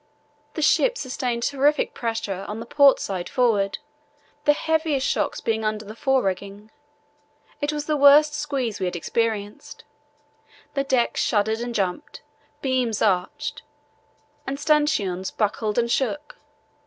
The ship sustained terrific pressure on the port side forward, the heaviest shocks being under the forerigging. It was the worst squeeze we had experienced. The decks shuddered and jumped, beams arched, and stanchions buckled and shook.